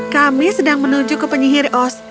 kami sedang menuju ke penyihir os